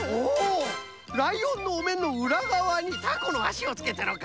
ライオンのおめんのうらがわにたこのあしをつけたのか。